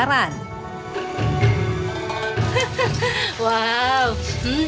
dan juga makanan